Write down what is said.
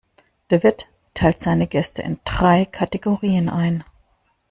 Der Wirt teilt seine Gäste in drei Kategorien ein.